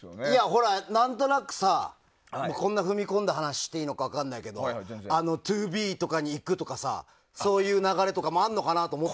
ほら、何となくさこんな踏み込んだ話していいのか分からないけどＴＯＢＥに行くとかそういう流れもあるのかなって。